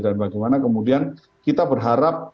dan bagaimana kemudian kita berharap